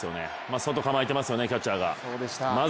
外、構えてますよね、キャッチャーが。